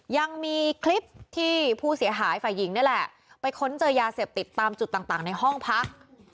ยังมีคลิปที่ผู้เสียหายฝ่ายหญิงนี่แหละไปค้นเจอยาเสพติดตามจุดต่างในห้องพัก